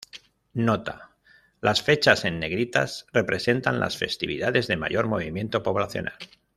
Nota: Las fechas en negritas representan las festividades de mayor movimiento poblacional.